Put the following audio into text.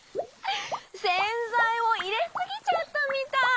せんざいをいれすぎちゃったみたい。